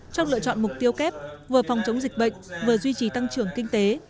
trong lựa chọn mục tiêu kép vừa phòng chống dịch bệnh vừa duy trì tăng trưởng kinh tế